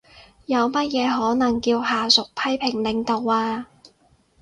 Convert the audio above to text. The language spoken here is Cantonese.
有乜嘢可能叫下屬批評領導呀？